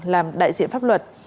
làm đại diện pháp luật